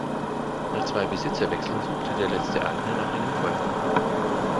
Nach zwei Besitzerwechseln suchte der letzte Eigner nach einem Käufer.